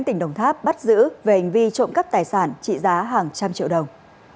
tỉnh đồng tháp bắt giữ về hình vi trộm các tài sản trị giá hàng trăm triệu đồng